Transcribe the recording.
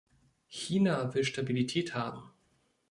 China will Stabilität haben.